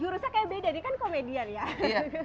jurusnya kayak beda nih kan komedian ya